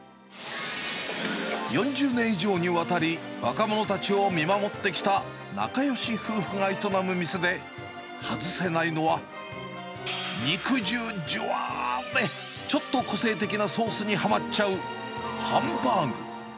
４０年以上にわたり、若者たちを見守ってきた仲よし夫婦が営む店で外せないのは、肉汁じゅわーでちょっと個性的なソースにはまっちゃうハンバーグ。